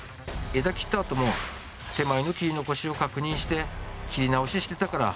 枝切ったあとも手前の切り残しを確認して切り直ししてたから。